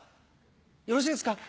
よろしいですか？